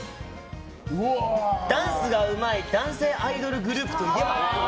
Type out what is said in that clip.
ダンスがうまい男性アイドルグループといえば？